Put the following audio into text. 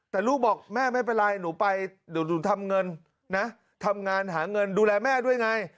แต่ลูกบอกแม่ไม่เป็นไรหนูไปเดี๋ยวหนูทำเงินนะทำงานหาเงินดูแลแม่ด้วยไง